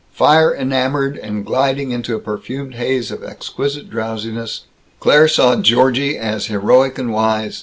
Fire enamored and gliding into a perfumed haze of exquisite drowsiness, Claire saw Georgie as heroic and wise.